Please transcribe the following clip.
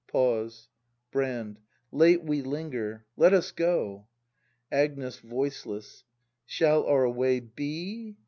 [Pause. Brand. Late we linger; let us go. Agnes. [Voiceless.] Shall our way be